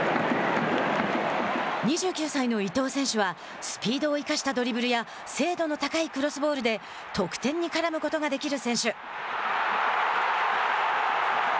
２９歳の伊東選手はスピードを生かしたドリブルや精度の高いクロスボールで得点に絡むことができる選手。